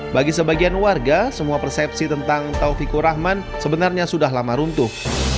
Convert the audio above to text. bagi sebagian warga semua persepsi tentang taufikur rahman sebenarnya sudah lama runtuh